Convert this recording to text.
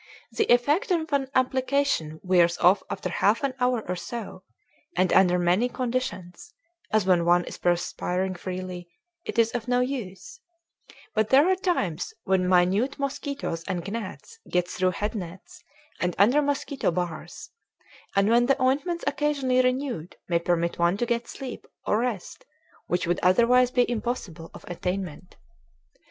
The effect of an application wears off after half an hour or so, and under many conditions, as when one is perspiring freely, it is of no use; but there are times when minute mosquitoes and gnats get through head nets and under mosquito bars, and when the ointments occasionally renewed may permit one to get sleep or rest which would otherwise be impossible of attainment.